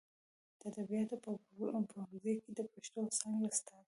د ادبیاتو په پوهنځي کې د پښتو څانګې استاد دی.